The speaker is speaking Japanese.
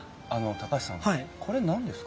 高橋さんこれ何ですか？